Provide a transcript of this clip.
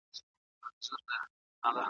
ستونی د شپېلۍ به نغمه نه لري